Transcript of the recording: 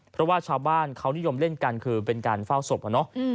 เพราะว่าชาวบ้านเขานิยมเล่นกันคือเป็นการเฝ้าศพอะเนาะ